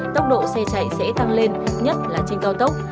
tốc độ xe chạy sẽ tăng lên nhất là trên cao tốc